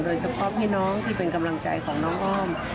โดยสำคับให้น้องที่เป็นกำลังใจของน้องอ้อม